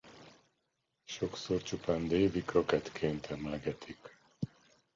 Sokszor csupán Davy Crockett-ként emlegetik.